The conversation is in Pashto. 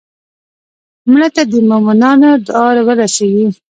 مړه ته د مومنانو دعا ورسېږي